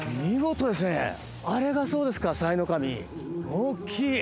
大きい。